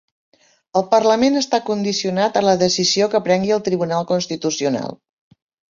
El parlament està condicionat a la decisió que prengui el Tribunal Constitucional